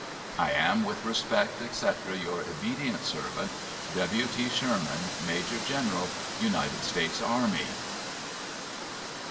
I am, with respect, etc., your obedient servant, W. T. SHERMAN, Major General United States Army.